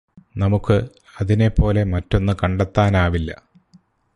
നമുക്ക് അതിനെ പോലെ മറ്റൊന്ന് കണ്ടെത്താനാവില്ല